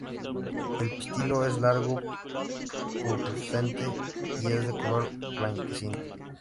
El pistilo es largo, pubescente y es de color blanquecino.